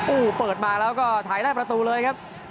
โอ้โหเปิดมาแล้วก็ถ่ายได้ประตูเลยครับ